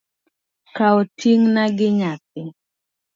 Kaw ting’na gi nyathi